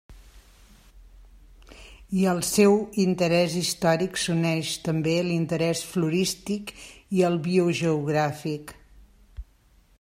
I al seu interès històric, s'uneix, també, l'interès florístic i el biogeogràfic.